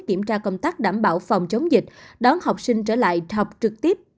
kiểm tra công tác đảm bảo phòng chống dịch đón học sinh trở lại học trực tiếp